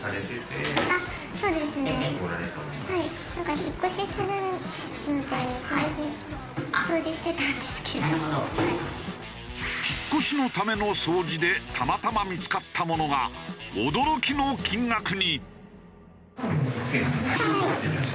引っ越しのための掃除でたまたま見付かったものが驚きの金額に！